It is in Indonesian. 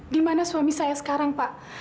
gimana suami saya sekarang pak